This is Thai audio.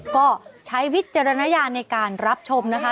ก็ใช้วิจารณญาณในการรับชมนะคะ